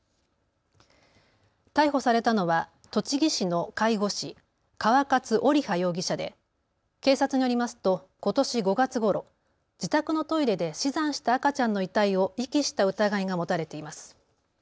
逮捕されたのは栃木市の介護士、川勝織羽容疑者で警察によりますとことし５月ごろ自宅のトイレで死産した赤ちゃんの遺体を遺棄した疑いが持たれています。